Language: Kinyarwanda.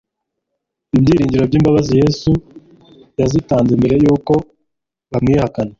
Ibyiringiro by'imbabazi, Yesu yazitanze mbere yuko bamwihakana.